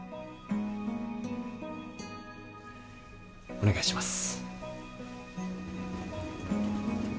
お願いします。